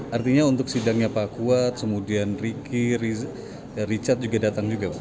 artinya untuk sidangnya pak kuat riki richard juga datang juga